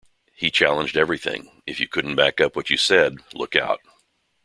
He challenged everything, If you couldn't back up what you said, look out.